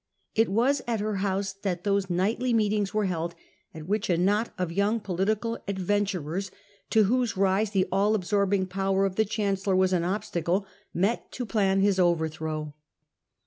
It was at her house that those nightly meetings were held at which a knot of young political adventurers, to whose rise the all absorbing power of the Chancellor was an obstacle, met to plan his over throw.